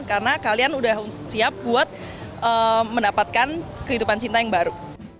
karena kalian sudah siap buat mendapatkan kehidupan cinta yang baru